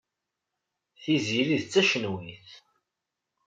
Tiziri d tacenwit.